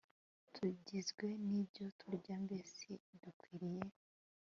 Tugizwe nibyo turya Mbese dukwiriye